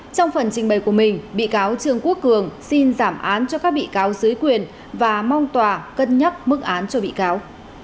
trong phần trình bày của mình bị cáo trương quốc cường xin giảm án cho các bị cáo dưới quyền và mong tòa cân nhắc mức án cho bị cáo